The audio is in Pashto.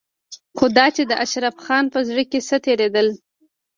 خو دا چې د اشرف خان په زړه کې څه تېرېدل.